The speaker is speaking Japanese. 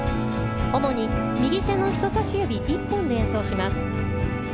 主に右手の人さし指１本で演奏します。